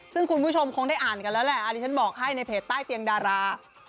ซึ่งคุณผู้ชมคงได้อ่านกันแล้วแหละอันนี้ฉันบอกให้ในเพจใต้เตียงดารา